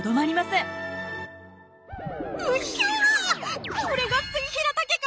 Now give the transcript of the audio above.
うっひょ！